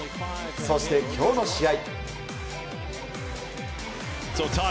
そして今日の試合。